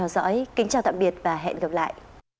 xin chào tạm biệt và hẹn gặp lại